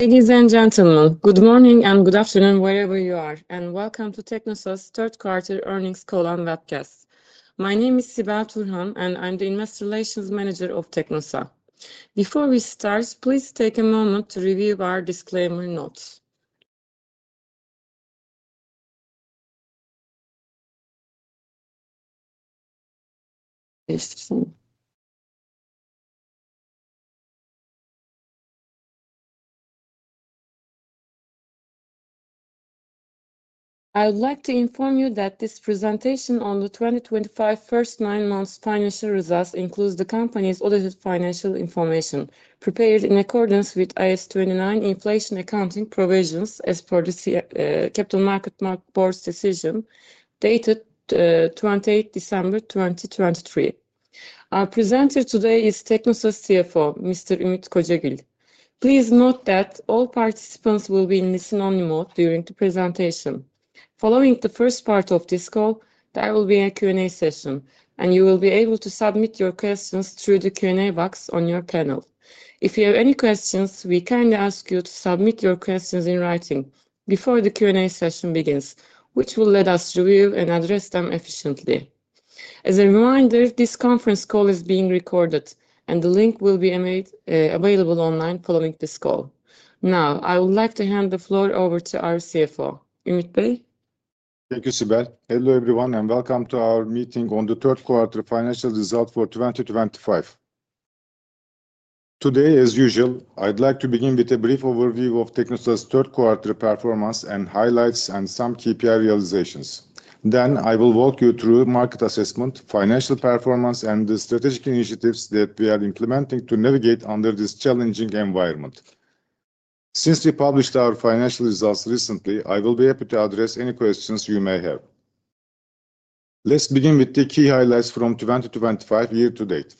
Ladies and gentlemen, good morning and good afternoon wherever you are, and welcome to Teknosa's third-quarter earnings call and webcast. My name is Sibel Turhan, and I'm the Investor Relations Manager of Teknosa. Before we start, please take a moment to review our disclaimer notes. I would like to inform you that this presentation on the 2025 first nine months' financial results includes the company's audited financial information prepared in accordance with IS29 Inflation Accounting Provisions as per the Capital Markets Board's decision dated 28 December 2023. Our presenter today is Teknosa's CFO, Mr. Ümit Kocagil. Please note that all participants will be in listen-only mode during the presentation. Following the first part of this call, there will be a Q&A session, and you will be able to submit your questions through the Q&A box on your panel. If you have any questions, we kindly ask you to submit your questions in writing before the Q&A session begins, which will let us review and address them efficiently. As a reminder, this conference call is being recorded, and the link will be available online following this call. Now, I would like to hand the floor over to our CFO, Ümit Bey. Thank you, Sibel. Hello everyone, and welcome to our meeting on the third-quarter financial result for 2025. Today, as usual, I'd like to begin with a brief overview of Teknosa's third-quarter performance and highlights and some KPI realizations. Then, I will walk you through market assessment, financial performance, and the strategic initiatives that we are implementing to navigate under this challenging environment. Since we published our financial results recently, I will be happy to address any questions you may have. Let's begin with the key highlights from 2025 year to date.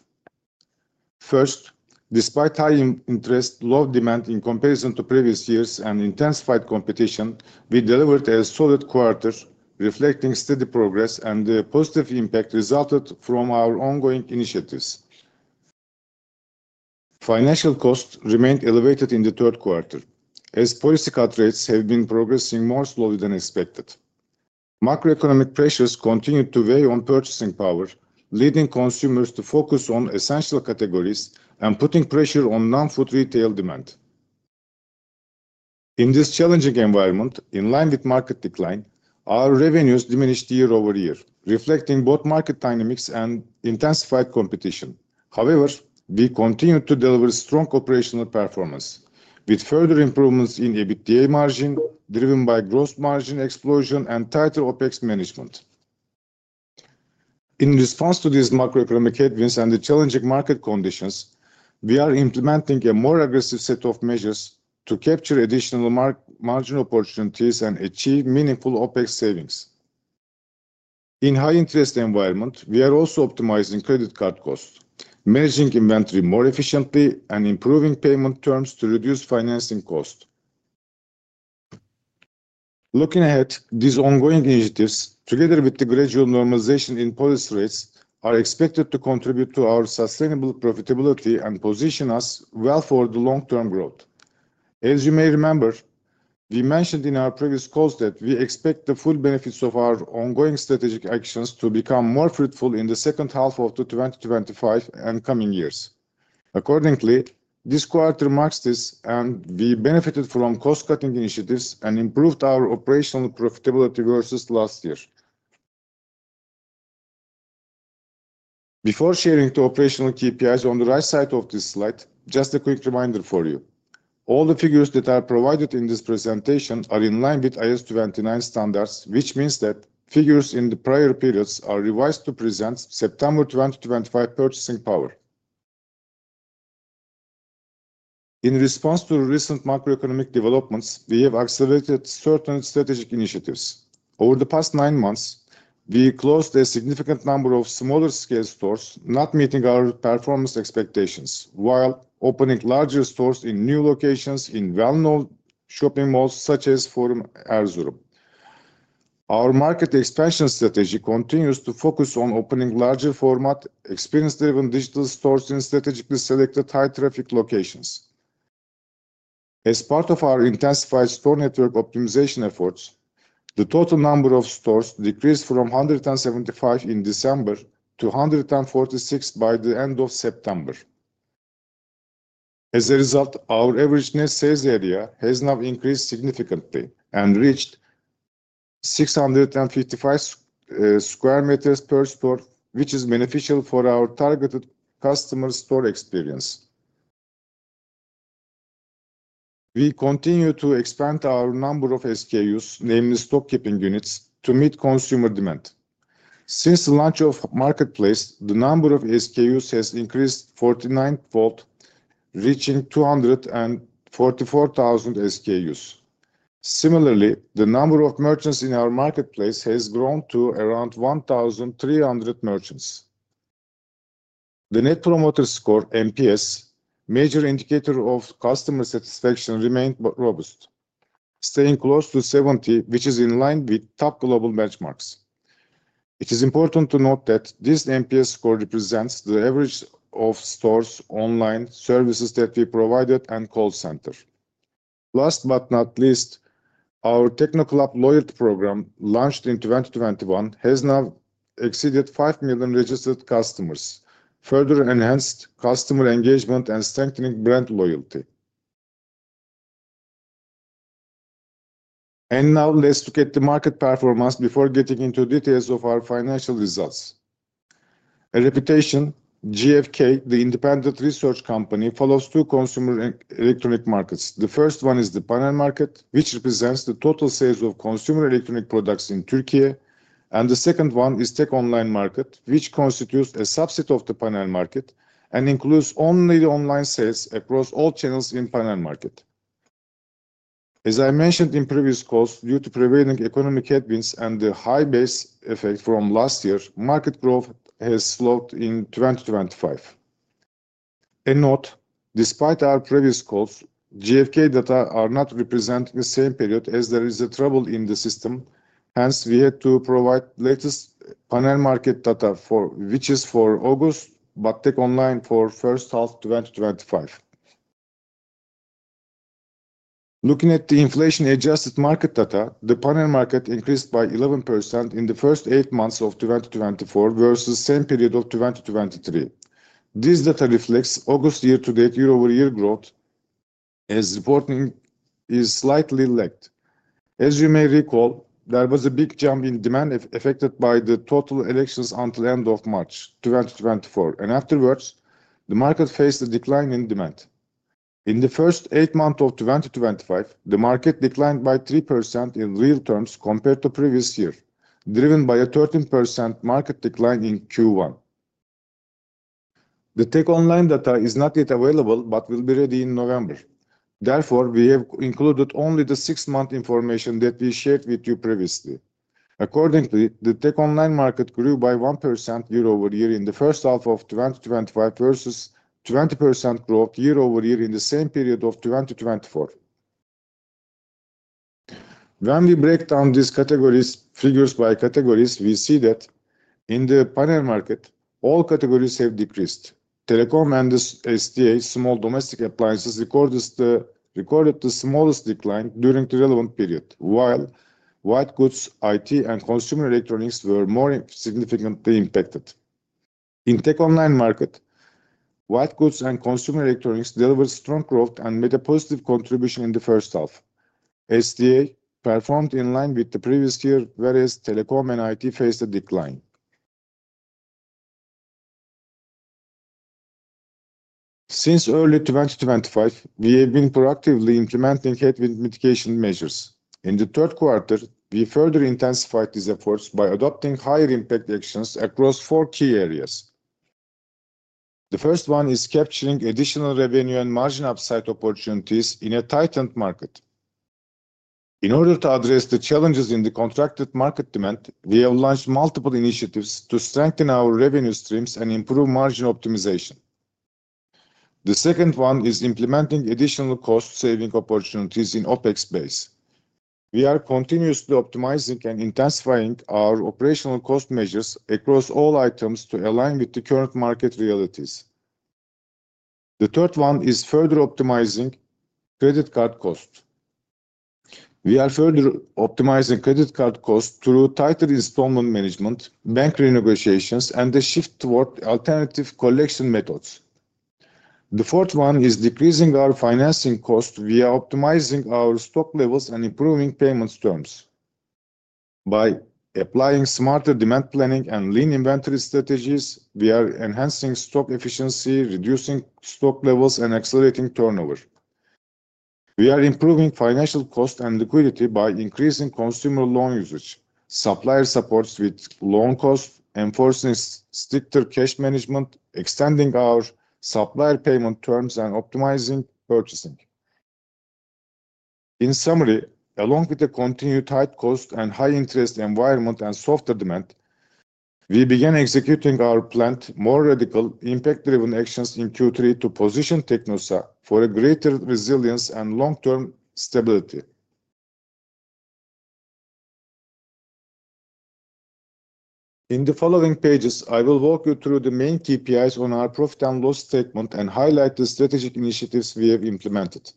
First, despite high interest, low demand in comparison to previous years, and intensified competition, we delivered a solid quarter reflecting steady progress and the positive impact resulted from our ongoing initiatives. Financial costs remained elevated in the third quarter as policy cut rates have been progressing more slowly than expected. Macroeconomic pressures continued to weigh on purchasing power, leading consumers to focus on essential categories and putting pressure on non-food retail demand. In this challenging environment, in line with market decline, our revenues diminished year over year, reflecting both market dynamics and intensified competition. However, we continued to deliver strong operational performance with further improvements in EBITDA margin driven by gross margin explosion and tighter OPEX management. In response to these macroeconomic headwinds and the challenging market conditions, we are implementing a more aggressive set of measures to capture additional margin opportunities and achieve meaningful OPEX savings. In a high-interest environment, we are also optimizing credit card costs, managing inventory more efficiently, and improving payment terms to reduce financing costs. Looking ahead, these ongoing initiatives, together with the gradual normalization in policy rates, are expected to contribute to our sustainable profitability and position us well for the long-term growth. As you may remember. We mentioned in our previous calls that we expect the full benefits of our ongoing strategic actions to become more fruitful in the second half of the 2025 and coming years. Accordingly, this quarter marks this, and we benefited from cost-cutting initiatives and improved our operational profitability versus last year. Before sharing the operational KPIs on the right side of this slide, just a quick reminder for you. All the figures that are provided in this presentation are in line with IS29 standards, which means that figures in the prior periods are revised to present September 2025 purchasing power. In response to recent macroeconomic developments, we have accelerated certain strategic initiatives. Over the past nine months, we closed a significant number of smaller-scale stores not meeting our performance expectations, while opening larger stores in new locations in well-known shopping malls such as Forum Erzurum. Our market expansion strategy continues to focus on opening larger-format, experience-driven digital stores in strategically selected high-traffic locations. As part of our intensified store network optimization efforts, the total number of stores decreased from 175 in December to 146 by the end of September. As a result, our average net sales area has now increased significantly and reached 655. Square meters per store, which is beneficial for our targeted customer store experience. We continue to expand our number of SKUs, namely stock-keeping units, to meet consumer demand. Since the launch of Marketplace, the number of SKUs has increased 49-fold, reaching 244,000 SKUs. Similarly, the number of merchants in our Marketplace has grown to around 1,300 merchants. The Net Promoter Score (NPS), major indicator of customer satisfaction, remained robust, staying close to 70, which is in line with top global benchmarks. It is important to note that this NPS score represents the average of stores' online services that we provided and call center. Last but not least, our TeknoClub loyalty program launched in 2021 has now exceeded 5 million registered customers, further enhancing customer engagement and strengthening brand loyalty. Now, let's look at the market performance before getting into details of our financial results. a reputation, GfK, the independent research company, follows two consumer electronic markets. The first one is the panel market, which represents the total sales of consumer electronic products in Türkiye, and the second one is the tech online market, which constitutes a subset of the panel market and includes only the online sales across all channels in the panel market. As I mentioned in previous calls, due to prevailing economic headwinds and the high base effect from last year, market growth has slowed in 2025. A note: despite our previous calls, GfK data are not representing the same period as there is a trouble in the system. Hence, we had to provide the latest panel market data, which is for August, but tech online for the first half of 2025. Looking at the inflation-adjusted market data, the panel market increased by 11% in the first eight months of 2024 versus the same period of 2023. This data reflects August year-to-date year-over-year growth, as reporting is slightly lagged. As you may recall, there was a big jump in demand affected by the total elections until the end of March 2024, and afterwards, the market faced a decline in demand. In the first eight months of 2025, the market declined by 3% in real terms compared to the previous year, driven by a 13% market decline in Q1. The tech online data is not yet available but will be ready in November. Therefore, we have included only the six-month information that we shared with you previously. Accordingly, the tech online market grew by 1% year-over-year in the first half of 2025 versus a 20% growth year-over-year in the same period of 2024. When we break down these figures by categories, we see that in the panel market, all categories have decreased. Telecom and SDA, small domestic appliances, recorded the smallest decline during the relevant period, while white goods, IT, and consumer electronics were more significantly impacted. In the tech online market, white goods and consumer electronics delivered strong growth and made a positive contribution in the first half. SDA performed in line with the previous year, whereas telecom and IT faced a decline. Since early 2025, we have been proactively implementing headwind mitigation measures. In the third quarter, we further intensified these efforts by adopting higher impact actions across four key areas. The first one is capturing additional revenue and margin upside opportunities in a tightened market. In order to address the challenges in the contracted market demand, we have launched multiple initiatives to strengthen our revenue streams and improve margin optimization. The second one is implementing additional cost-saving opportunities in the OPEX base. We are continuously optimizing and intensifying our operational cost measures across all items to align with the current market realities. The third one is further optimizing credit card costs. We are further optimizing credit card costs through tighter installment management, bank renegotiations, and a shift toward alternative collection methods. The fourth one is decreasing our financing costs via optimizing our stock levels and improving payments terms. By applying smarter demand planning and lean inventory strategies, we are enhancing stock efficiency, reducing stock levels, and accelerating turnover. We are improving financial costs and liquidity by increasing consumer loan usage, supplier supports with loan costs, enforcing stricter cash management, extending our supplier payment terms, and optimizing purchasing. In summary, along with the continued tight costs and high-interest environment and softer demand, we began executing our planned more radical impact-driven actions in Q3 to position Teknosa for greater resilience and long-term stability. In the following pages, I will walk you through the main KPIs on our profit and loss statement and highlight the strategic initiatives we have implemented.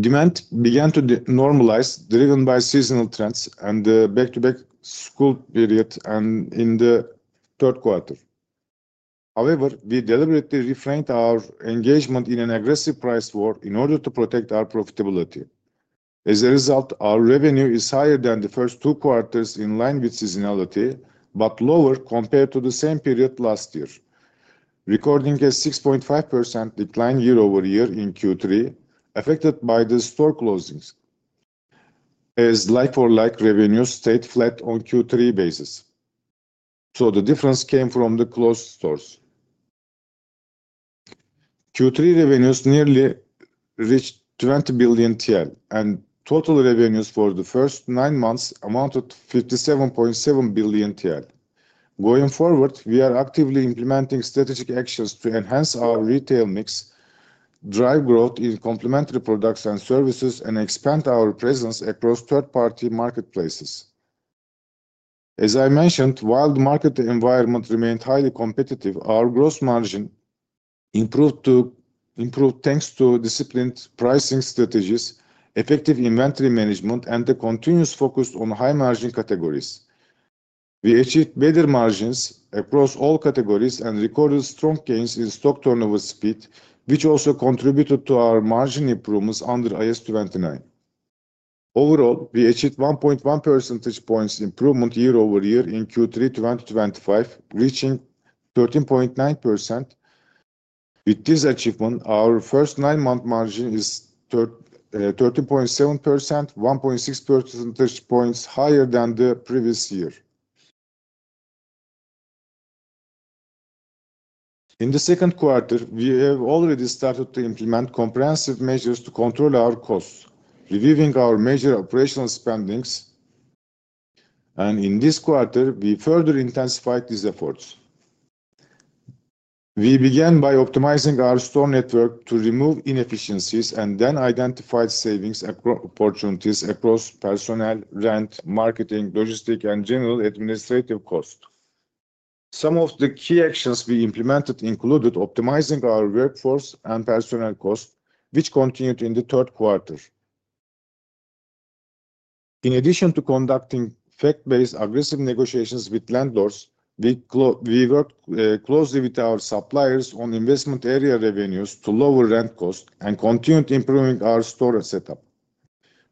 Demand began to normalize, driven by seasonal trends and the back-to-back school period in the third quarter. However, we deliberately refrained from our engagement in an aggressive price war in order to protect our profitability. As a result, our revenue is higher than the first two quarters in line with seasonality but lower compared to the same period last year, recording a 6.5% decline year-over-year in Q3 affected by the store closings. As like-for-like revenues stayed flat on a Q3 basis, the difference came from the closed stores. Q3 revenues nearly reached 20 billion TL, and total revenues for the first nine months amounted to 57.7 billion TL. Going forward, we are actively implementing strategic actions to enhance our retail mix, drive growth in complementary products and services, and expand our presence across third-party marketplaces. As I mentioned, while the market environment remained highly competitive, our gross margin improved. Thanks to disciplined pricing strategies, effective inventory management, and the continuous focus on high-margin categories, we achieved better margins across all categories and recorded strong gains in stock turnover speed, which also contributed to our margin improvements under IS29. Overall, we achieved a 1.1 percentage points improvement year-over-year in Q3 2025, reaching 13.9%. With this achievement, our first nine-month margin is 13.7%, 1.6 percentage points higher than the previous year. In the second quarter, we have already started to implement comprehensive measures to control our costs, reviewing our major operational spendings. In this quarter, we further intensified these efforts. We began by optimizing our store network to remove inefficiencies and then identified savings opportunities across personnel, rent, marketing, logistic, and general administrative costs. Some of the key actions we implemented included optimizing our workforce and personnel costs, which continued in the third quarter. In addition to conducting fact-based aggressive negotiations with landlords, we worked closely with our suppliers on investment area revenues to lower rent costs and continued improving our store setup.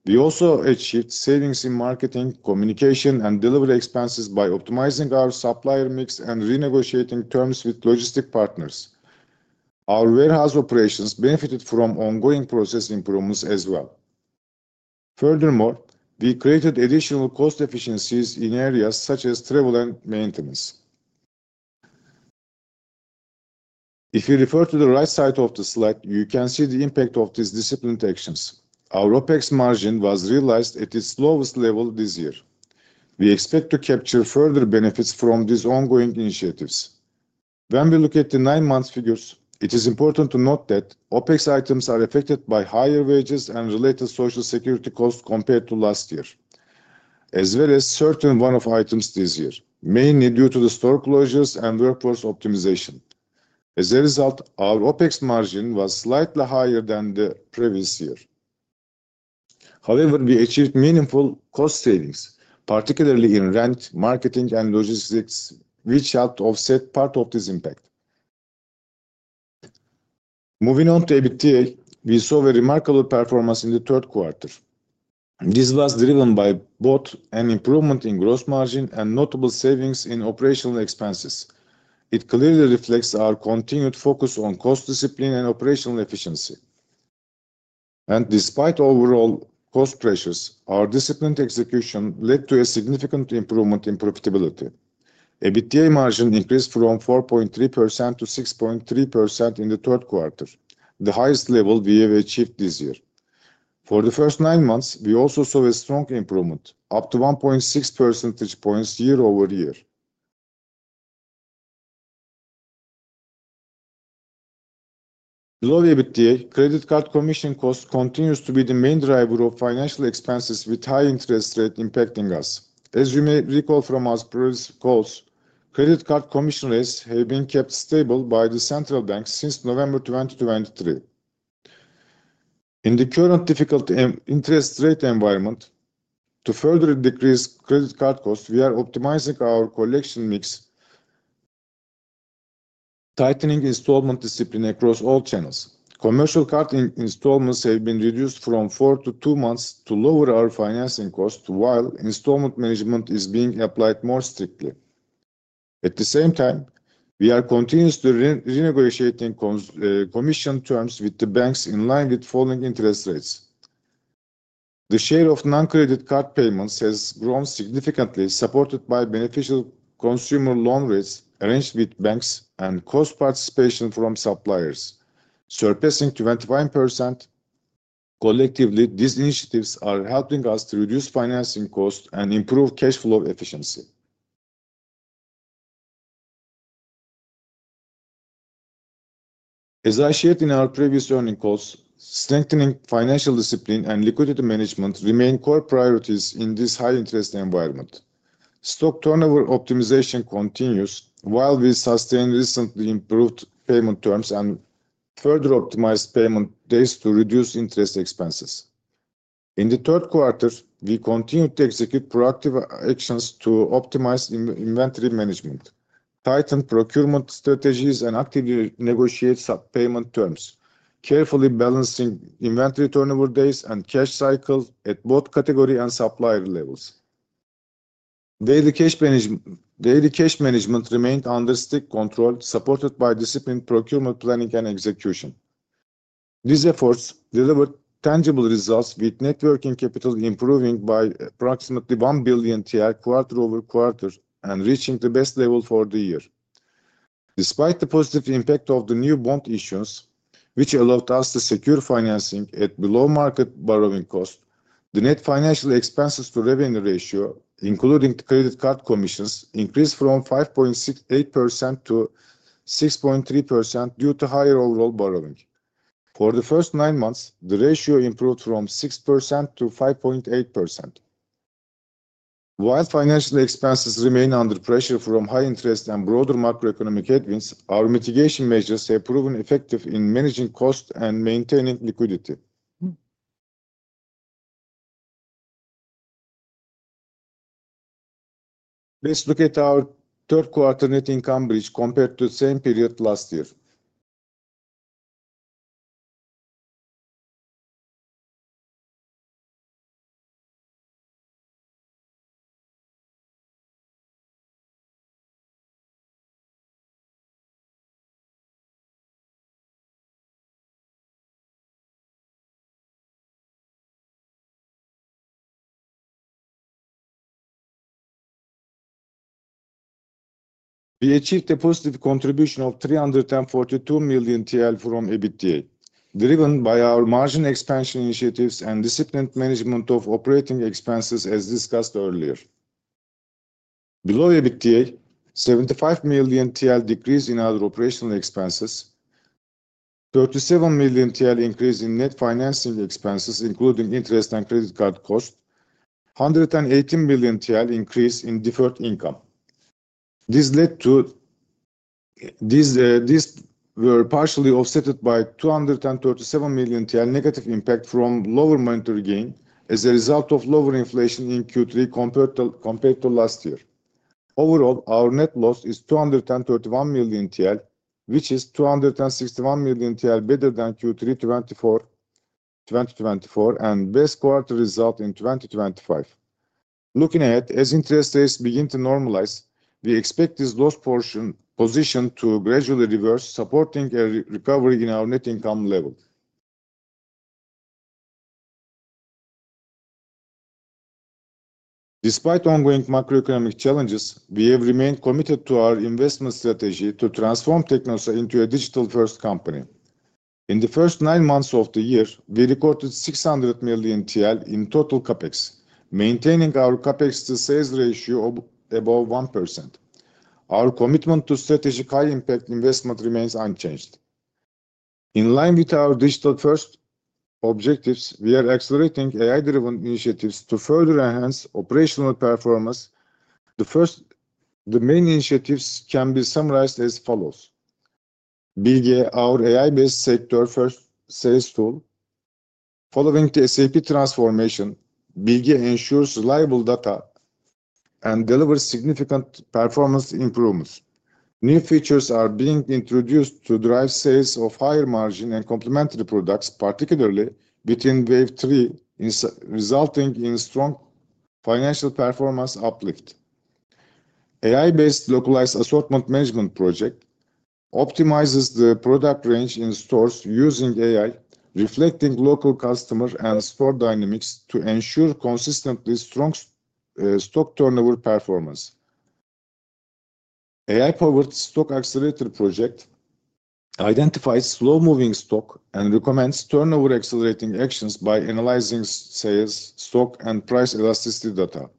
We also achieved savings in marketing, communication, and delivery expenses by optimizing our supplier mix and renegotiating terms with logistic partners. Our warehouse operations benefited from ongoing process improvements as well. Furthermore, we created additional cost efficiencies in areas such as travel and maintenance. If you refer to the right side of the slide, you can see the impact of these disciplined actions. Our OPEX margin was realized at its lowest level this year. We expect to capture further benefits from these ongoing initiatives. When we look at the nine-month figures, it is important to note that OPEX items are affected by higher wages and related social security costs compared to last year, as well as certain one-off items this year, mainly due to the store closures and workforce optimization. As a result, our OPEX margin was slightly higher than the previous year. However, we achieved meaningful cost savings, particularly in rent, marketing, and logistics, which helped offset part of this impact. Moving on to EBITDA, we saw a remarkable performance in the third quarter. This was driven by both an improvement in gross margin and notable savings in operational expenses. It clearly reflects our continued focus on cost discipline and operational efficiency. Despite overall cost pressures, our disciplined execution led to a significant improvement in profitability. EBITDA margin increased from 4.3% to 6.3% in the third quarter, the highest level we have achieved this year. For the first nine months, we also saw a strong improvement, up to 1.6 percentage points year-over-year. Below EBITDA, credit card commission costs continue to be the main driver of financial expenses, with high interest rates impacting us. As you may recall from our previous calls, credit card commission rates have been kept stable by the central bank since November 2023. In the current difficult interest rate environment, to further decrease credit card costs, we are optimizing our collection mix. Tightening installment discipline across all channels. Commercial card installments have been reduced from four to two months to lower our financing costs, while installment management is being applied more strictly. At the same time, we are continuously renegotiating commission terms with the banks in line with falling interest rates. The share of non-credit card payments has grown significantly, supported by beneficial consumer loan rates arranged with banks and cost participation from suppliers, surpassing 25%. Collectively, these initiatives are helping us to reduce financing costs and improve cash flow efficiency. As I shared in our previous earnings calls, strengthening financial discipline and liquidity management remain core priorities in this high-interest environment. Stock turnover optimization continues while we sustain recently improved payment terms and further optimize payment days to reduce interest expenses. In the third quarter, we continued to execute proactive actions to optimize inventory management, tighten procurement strategies, and actively negotiate payment terms, carefully balancing inventory turnover days and cash cycles at both category and supplier levels. Daily cash management remained under strict control, supported by disciplined procurement planning and execution. These efforts delivered tangible results, with net working capital improving by approximately 1 billion quarter over quarter and reaching the best level for the year. Despite the positive impact of the new bond issuance, which allowed us to secure financing at below market borrowing costs, the net financial expenses-to-revenue ratio, including credit card commissions, increased from 5.68% to 6.3% due to higher overall borrowing. For the first nine months, the ratio improved from 6% to 5.8%. While financial expenses remain under pressure from high interest and broader macroeconomic headwinds, our mitigation measures have proven effective in managing costs and maintaining liquidity. Let's look at our third quarter net income bridge compared to the same period last year. We achieved a positive contribution of 342 million TL from EBITDA, driven by our margin expansion initiatives and disciplined management of operating expenses, as discussed earlier. Below EBITDA, 75 million TL decrease in other operational expenses, 37 million TL increase in net financing expenses, including interest and credit card costs, and 118 million TL increase in deferred income. These were partially offset by 237 million TL negative impact from lower monetary gain as a result of lower inflation in Q3 compared to last year. Overall, our net loss is 231 million TL, which is 261 million TL better than Q3 2024 and best quarter result in 2025. Looking ahead, as interest rates begin to normalize, we expect this loss position to gradually reverse, supporting a recovery in our net income level. Despite ongoing macroeconomic challenges, we have remained committed to our investment strategy to transform Teknosa into a digital-first company. In the first nine months of the year, we recorded 600 million TL in total CAPEX, maintaining our CAPEX-to-sales ratio above 1%. Our commitment to strategic high-impact investment remains unchanged. In line with our digital-first objectives, we are accelerating AI-driven initiatives to further enhance operational performance. The main initiatives can be summarized as follows. Bilge is our AI-based sector-first sales tool. Following the SAP transformation, Bilge ensures reliable data and delivers significant performance improvements. New features are being introduced to drive sales of higher margin and complementary products, particularly within wave three, resulting in strong financial performance uplift. AI-based localized assortment management project optimizes the product range in stores using AI, reflecting local customer and store dynamics to ensure consistently strong stock turnover performance. AI-powered stock accelerator project. Identifies slow-moving stock and recommends turnover-accelerating actions by analyzing sales, stock, and price elasticity data.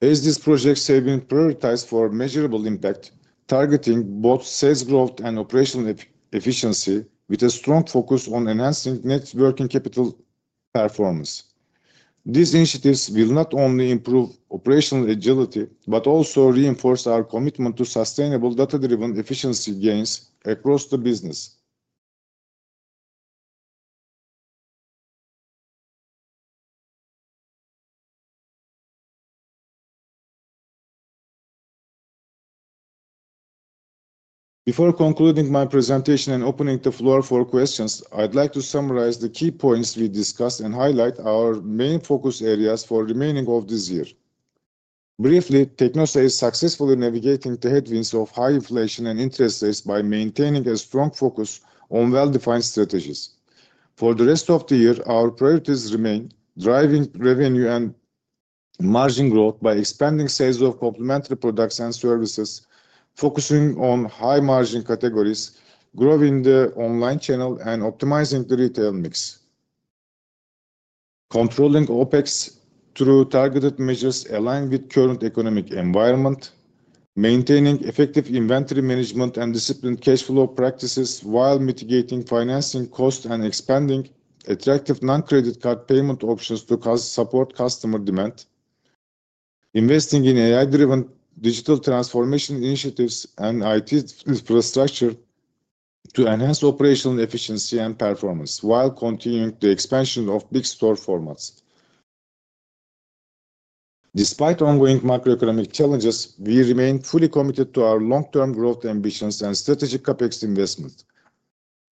As these projects have been prioritized for measurable impact, targeting both sales growth and operational efficiency with a strong focus on enhancing networking capital performance. These initiatives will not only improve operational agility but also reinforce our commitment to sustainable data-driven efficiency gains across the business. Before concluding my presentation and opening the floor for questions, I'd like to summarize the key points we discussed and highlight our main focus areas for the remaining of this year. Briefly, Teknosa is successfully navigating the headwinds of high inflation and interest rates by maintaining a strong focus on well-defined strategies. For the rest of the year, our priorities remain driving revenue and margin growth by expanding sales of complementary products and services, focusing on high-margin categories, growing the online channel, and optimizing the retail mix. Controlling OPEX through targeted measures aligned with the current economic environment. Maintaining effective inventory management and disciplined cash flow practices while mitigating financing costs and expanding attractive non-credit card payment options to support customer demand. Investing in AI-driven digital transformation initiatives and IT infrastructure to enhance operational efficiency and performance while continuing the expansion of big store formats. Despite ongoing macroeconomic challenges, we remain fully committed to our long-term growth ambitions and strategic CAPEX investment.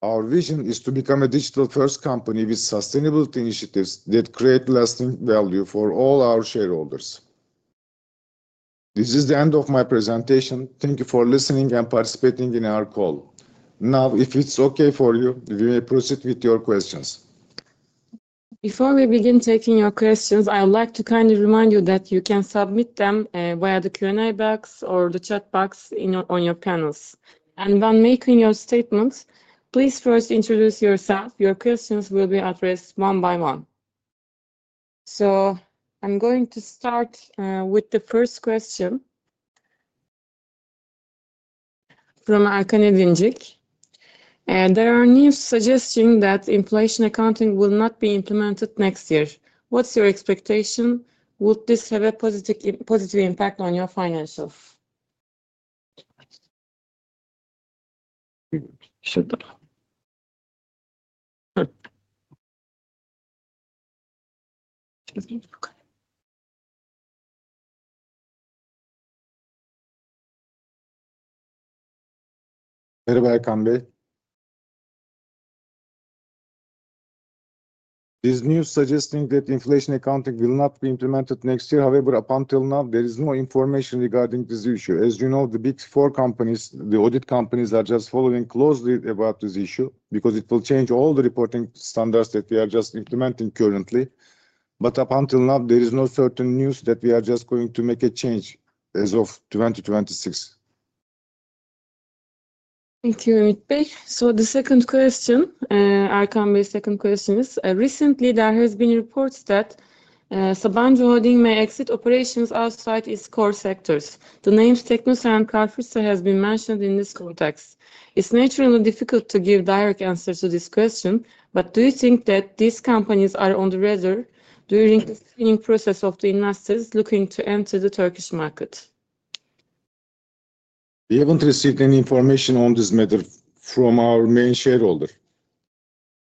Our vision is to become a digital-first company with sustainability initiatives that create lasting value for all our shareholders. This is the end of my presentation. Thank you for listening and participating in our call. Now, if it's okay for you, we may proceed with your questions. Before we begin taking your questions, I would like to kindly remind you that you can submit them via the Q&A box or the chat box on your panels. When making your statements, please first introduce yourself. Your questions will be addressed one by one. I'm going to start with the first question from Erkan Edinecik. There are news suggesting that inflation accounting will not be implemented next year. What's your expectation? Would this have a positive impact on your financials? Merhaba, Erkan Bey. These news suggesting that inflation accounting will not be implemented next year. However, up until now, there is no information regarding this issue. As you know, the big four companies, the audit companies, are just following closely about this issue because it will change all the reporting standards that we are just implementing currently. Up until now, there is no certain news that we are just going to make a change as of 2026. Thank you, Ümit Bey. The second question, Erkan Bey's second question is, recently there have been reports that Sabancı Holding may exit operations outside its core sectors. The names Teknosa and CarrefourSA have been mentioned in this context. It's naturally difficult to give direct answers to this question, but do you think that these companies are on the radar during the screening process of the investors looking to enter the Turkish market? We haven't received any information on this matter from our main shareholder.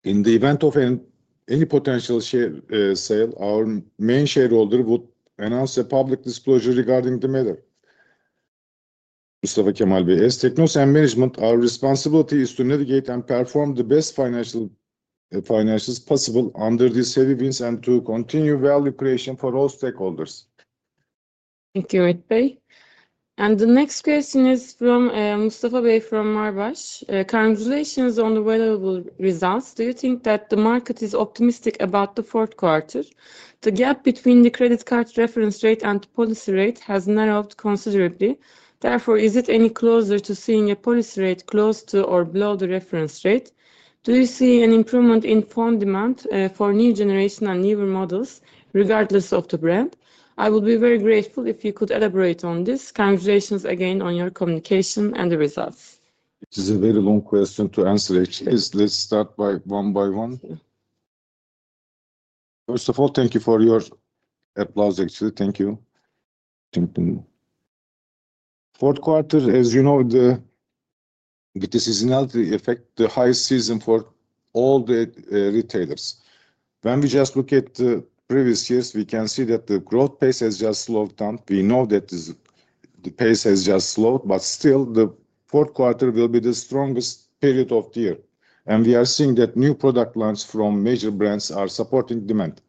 In the event of any potential sale, our main shareholder would announce a public disclosure regarding the matter. Mustafa Kemal Bey, as Teknosa and management, our responsibility is to navigate and perform the best financials possible under these heavy winds and to continue value creation for all stakeholders. Thank you, Ümit Bey. The next question is from Mustafa Bey from Marbaş. Congratulations on the valuable results. Do you think that the market is optimistic about the fourth quarter? The gap between the credit card reference rate and the policy rate has narrowed considerably. Therefore, is it any closer to seeing a policy rate close to or below the reference rate? Do you see an improvement in fund demand for new generation and newer models, regardless of the brand? I would be very grateful if you could elaborate on this. Congratulations again on your communication and the results. This is a very long question to answer, actually. Let's start by one by one. First of all, thank you for your applause, actually. Thank you. Fourth quarter, as you know, the decision effect, the high season for all the retailers. When we just look at the previous years, we can see that the growth pace has just slowed down. We know that the pace has just slowed, but still, the fourth quarter will be the strongest period of the year. We are seeing that new product lines from major brands are supporting demand.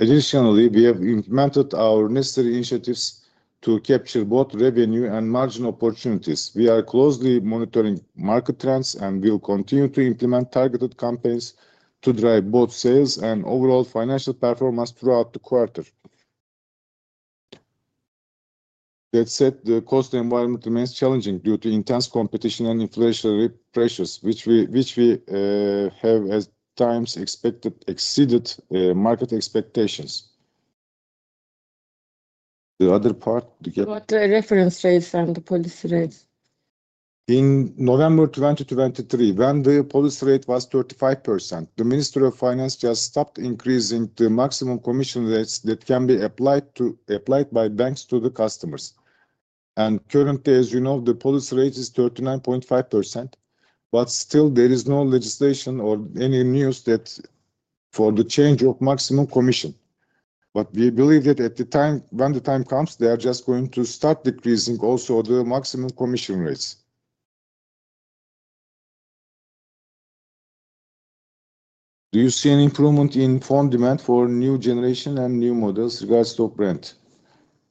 Additionally, we have implemented our necessary initiatives to capture both revenue and margin opportunities. We are closely monitoring market trends and will continue to implement targeted campaigns to drive both sales and overall financial performance throughout the quarter. That said, the cost environment remains challenging due to intense competition and inflationary pressures, which have at times exceeded market expectations. The other part about the reference rates and the policy rates. In November 2023, when the policy rate was 35%, the Ministry of Finance just stopped increasing the maximum commission rates that can be applied by banks to the customers. Currently, as you know, the policy rate is 39.5%. Still, there is no legislation or any news for the change of maximum commission. We believe that at the time when the time comes, they are just going to start decreasing also the maximum commission rates. Do you see any improvement in fund demand for new generation and new models regards to brand?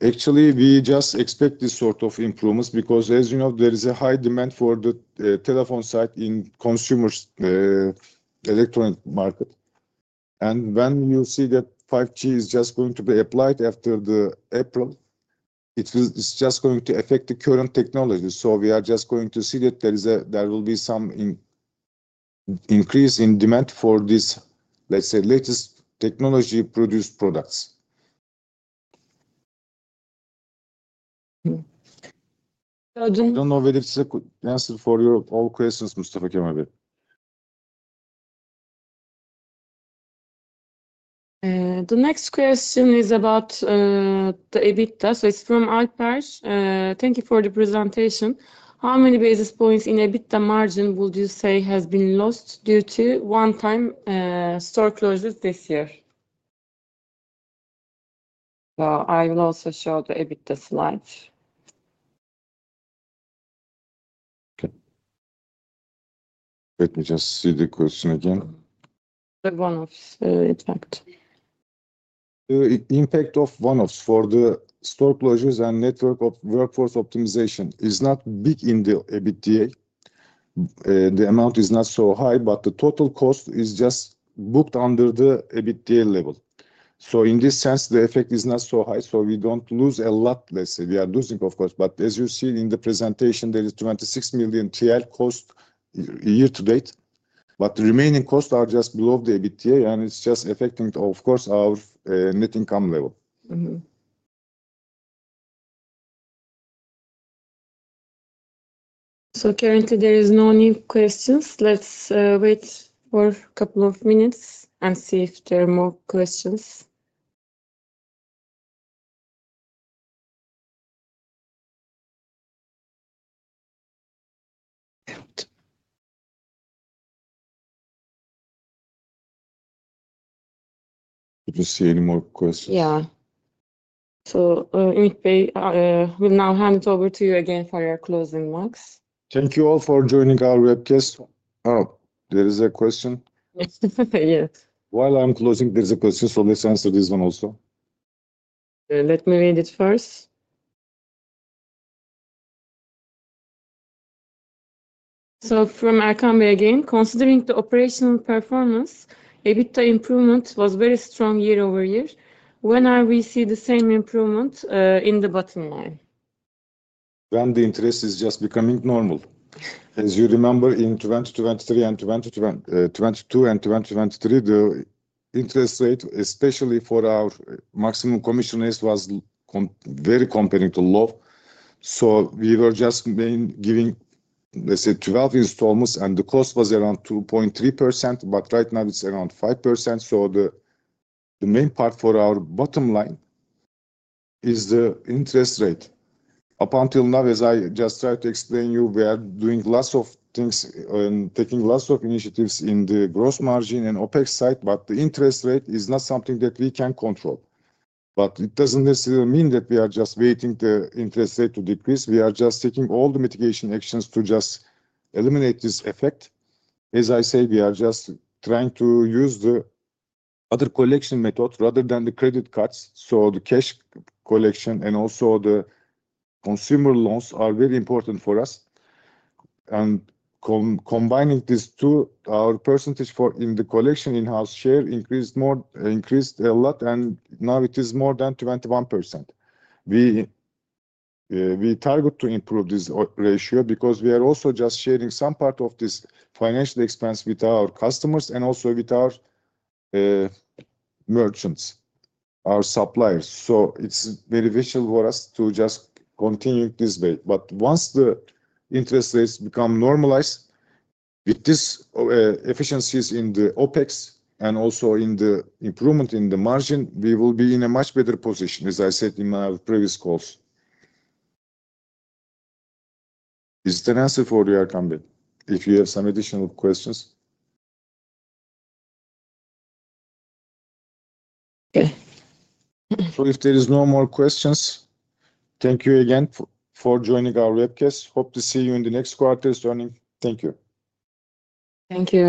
Actually, we just expect this sort of improvements because, as you know, there is a high demand for the telephone site in consumers' electronic market. When you see that 5G is just going to be applied after April. It's just going to affect the current technology. We are just going to see that there will be some increase in demand for this, let's say, latest technology-produced products. I don't know whether it's a good answer for all your questions, Mustafa Kemal Bey. The next question is about the EBITDA. It's from Alperish. Thank you for the presentation. How many basis points in EBITDA margin would you say have been lost due to one-time store closures this year? I will also show the EBITDA slide. Let me just see the question again. The one-offs, exactly. The impact of one-offs for the store closures and network of workforce optimization is not big in the EBITDA. The amount is not so high, but the total cost is just booked under the EBITDA level. In this sense, the effect is not so high. We do not lose a lot, let's say. We are losing, of course. As you see in the presentation, there is 26 million TL cost year to date. The remaining costs are just below the EBITDA, and it's just affecting, of course, our net income level. Currently, there are no new questions. Let's wait for a couple of minutes and see if there are more questions. Did you see any more questions? Yeah. Ümit Bey, we'll now hand it over to you again for your closing remarks. Thank you all for joining our webcast. Oh, there is a question. Yes. While I'm closing, there's a question. Let's answer this one also. Let me read it first. From Erkan Bey again, considering the operational performance, EBITDA improvement was very strong year over year. When are we seeing the same improvement in the bottom line? When the interest is just becoming normal. As you remember, in 2023 and 2022 and 2023, the interest rate, especially for our maximum commission rate, was very compelling to low. We were just giving, let's say, 12 installments, and the cost was around 2.3%. Right now, it's around 5%. The main part for our bottom line is the interest rate. Up until now, as I just tried to explain to you, we are doing lots of things and taking lots of initiatives in the gross margin and OPEX side. The interest rate is not something that we can control. It does not necessarily mean that we are just waiting for the interest rate to decrease. We are just taking all the mitigation actions to eliminate this effect. As I say, we are just trying to use the other collection method rather than the credit cards. The cash collection and also the consumer loans are very important for us. Combining these two, our percentage in the collection in-house share increased a lot, and now it is more than 21%. We. Target to improve this ratio because we are also just sharing some part of this financial expense with our customers and also with our merchants, our suppliers. So it's very usual for us to just continue this way. Once the interest rates become normalized, with these efficiencies in the OPEX and also in the improvement in the margin, we will be in a much better position, as I said in my previous calls. Is that answer for you, Erkan Bey? If you have some additional questions. Okay. If there are no more questions, thank you again for joining our webcast. Hope to see you in the next quarter's earnings. Thank you. Thank you.